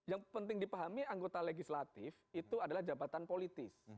yang penting dipahami anggota legislatif itu adalah jabatan politis